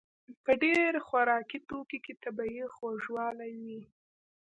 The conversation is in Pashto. په ډېر خوراکي توکو کې طبیعي خوږوالی وي.